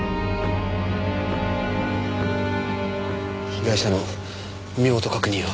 被害者の身元確認を。